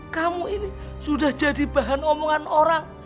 kamu ini sudah jadi bahan omongan orang